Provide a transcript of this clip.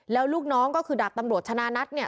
แล้วลูกน้องก็คือดาบตำรวจชนะนัทเนี่ย